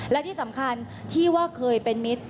และที่สำคัญที่ว่าเคยเป็นมิตร